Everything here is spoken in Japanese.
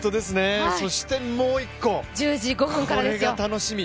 そしてもう１個、これが楽しみ。